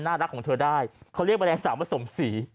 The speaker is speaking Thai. น่ารักของเธอได้เขาเรียกมะแรงสาบว่าสมศรี